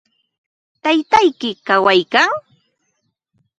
¿Taytayki kawaykan?